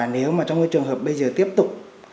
nếu mà trong cái trường hợp bây giờ tiếp tục